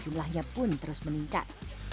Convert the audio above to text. jumlahnya pun terus meningkat